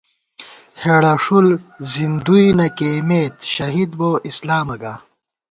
ہېڑہ ݭُل زِندُوئی نہ کېئیمېت، شہید بو اسلامہ گا